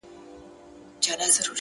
پر جبين باندې لښکري پيدا کيږي ـ